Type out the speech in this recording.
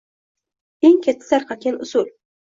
Eng keng tarqalgan usul.